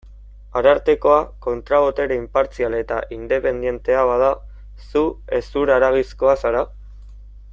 Arartekoa kontra-botere inpartzial eta independentea bada, zu hezur-haragizkoa zara?